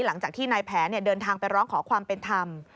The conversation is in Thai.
หลังจากที่นายแผนเดินทางไปร้องขอความเป็นธรรม